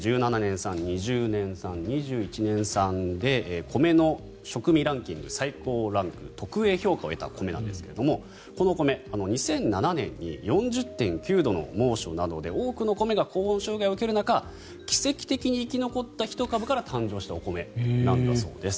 産２０年産、２１年産で米の食味ランキング最高ランクの特Ａ評価を得たお米なんですけどこのお米、２００７年に４０．９度の猛暑などで多くの米が高温障害を受ける中奇跡的に生き残った１株から誕生したお米なんだそうです。